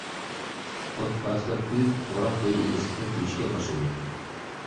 ئوت پاراسلاپ كۆيۈپ، توغراق بويى ئېگىزلىكتە كۆيۈشكە باشلىدى.